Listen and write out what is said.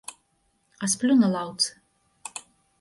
А сплю на лаўцы.